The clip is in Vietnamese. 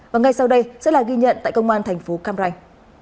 và ngay sau đây sẽ là ghi nhận tại công an thành phố cam ranh